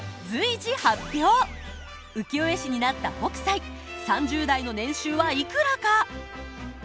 浮世絵師になった北斎３０代の年収はいくらか？